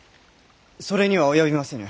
それには及びませぬ。